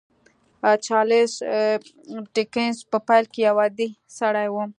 چارليس ډيکنز په پيل کې يو عادي سړی و.